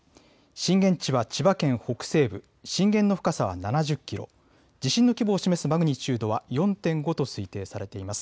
震源地は千葉県北西部、震源の深さは７０キロ、地震の規模を示すマグニチュードは４．５と推定されています。